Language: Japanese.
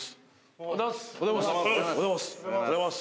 おはようございます。